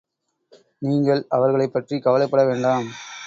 நீங்கள் அவர்களைப்பற்றிக் கவலைப்பட வேண்டாம்.